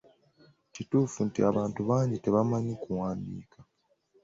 Kituufu nti abantu bangi tebamanyi kuwandiika.